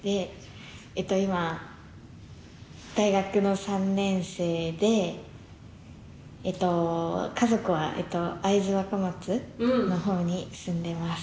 今大学の３年生で家族は会津若松の方に住んでます。